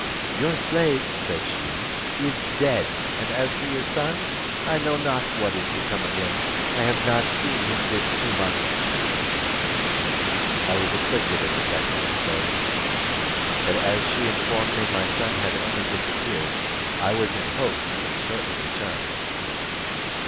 "Your slave," said she, "is dead; and as for your son, I know not what is become of him, I have not seen him this two months." I was afflicted at the death of the slave, but as she informed me my son had only disappeared, I was in hopes he would shortly return.